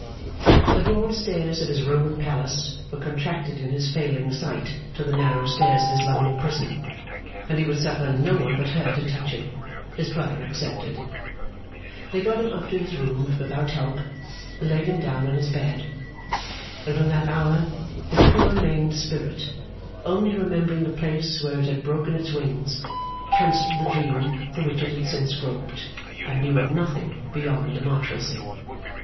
The broad stairs of his Roman palace were contracted in his failing sight to the narrow stairs of his London prison; and he would suffer no one but her to touch him, his brother excepted. They got him up to his room without help, and laid him down on his bed. And from that hour his poor maimed spirit, only remembering the place where it had broken its wings, cancelled the dream through which it had since groped, and knew of nothing beyond the Marshalsea.